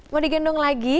mau digendong lagi